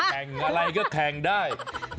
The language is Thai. แข่งอะไรก็แข่งได้